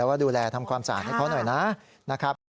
เราก็ดูแลทำความสะอาดให้เขาหน่อยนะ